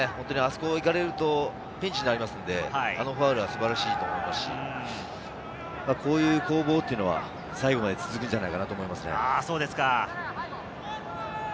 あそこに行かれるとピンチになりますので、あのファウルは素晴らしいと思いますし、こういう攻防というのは最後まで続くんじゃないかなと思います。